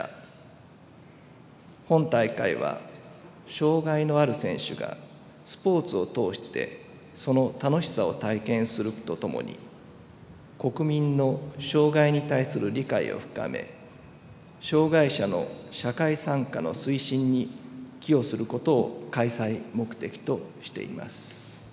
本大会は、障害のある選手がスポーツを通してその楽しさを体験するとともに国民の障害に対する理解を深め障害者の社会参加の推進に寄与することを開催目的としています。